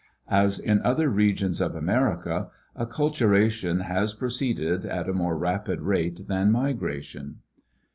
As in other regions of America, acculturation has proceeded at a more rapid rate than migration.